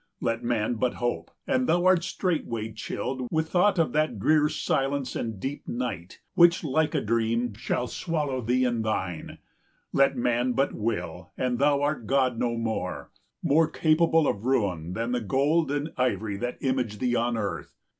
80 Let man but hope, and thou art straightway chilled With thought of that drear silence and deep night Which, like a dream, shall swallow thee and thine: Let man but will, and thou art god no more, More capable of ruin than the gold 85 And ivory that image thee on earth.